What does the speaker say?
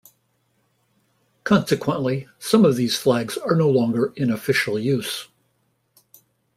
Consequently, some of these flags are no longer in official use.